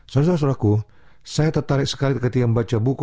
saudara saudaraku saya tertarik sekali ketika membaca buku